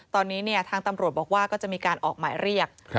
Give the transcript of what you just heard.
ตอนนี้ทางตำรวจบอกว่าก็จะมีการออกหมายเรียก